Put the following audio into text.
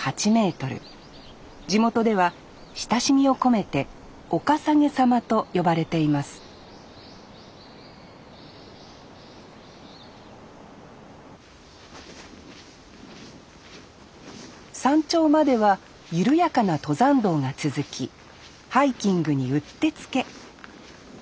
地元では親しみを込めて「お笠置様」と呼ばれています山頂までは緩やかな登山道が続きハイキングにうってつけ。